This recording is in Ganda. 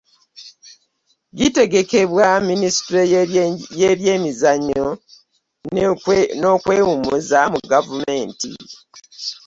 Gitegekebwa minisitule y'ebyemizannyo n'okwewummuza mu gavumenti